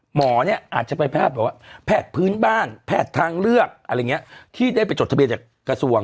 หมอเนี่ยอาจจะไปแพทย์แบบว่าแพทย์พื้นบ้านแพทย์ทางเลือกอะไรอย่างนี้ที่ได้ไปจดทะเบียนจากกระทรวง